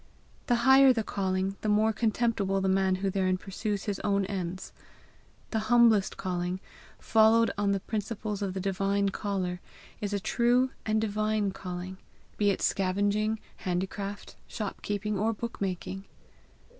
The higher the calling the more contemptible the man who therein pursues his own ends. The humblest calling, followed on the principles of the divine caller, is a true and divine calling, be it scavenging, handicraft, shop keeping, or book making.